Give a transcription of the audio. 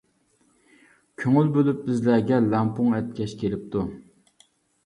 كۆڭۈل بۆلۈپ بىزلەرگە، لەڭپۇڭ ئەتكەچ كېلىپتۇ.